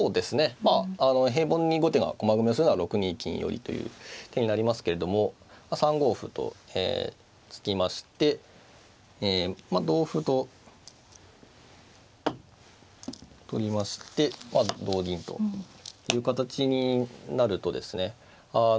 まあ平凡に後手が駒組みをするなら６二金寄という手になりますけれども３五歩と突きましてえ同歩と取りまして同銀という形になるとですね